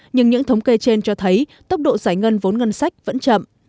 nhưng những thống kê trên cho thấy tốc độ giải ngân vốn ngân sách vẫn chậm